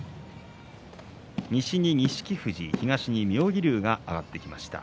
西に錦富士東に妙義龍が上がってきました。